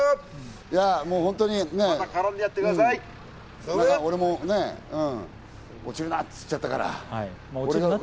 春日、俺もね、落ちるな！って言っちゃったから。